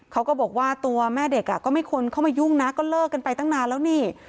เขาก็บอกว่าตัวแม่เด็กก็ไม่ควรเข้ามายุ่งนะก็เลิกกันไปตั้งนานแล้วนี่